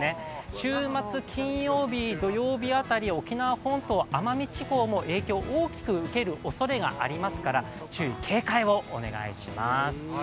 週末、金曜日・土曜日辺り、沖縄本島、奄美地方も大きく影響を受ける可能性がありますから注意・警戒をお願いします。